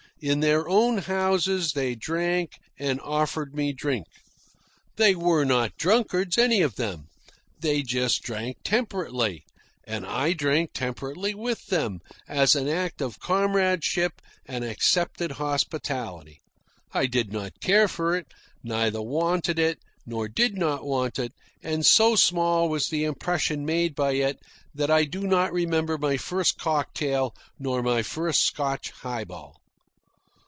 In their own houses they drank and offered me drink. They were not drunkards any of them. They just drank temperately, and I drank temperately with them as an act of comradeship and accepted hospitality. I did not care for it, neither wanted it nor did not want it, and so small was the impression made by it that I do not remember my first cocktail nor my first Scotch highball.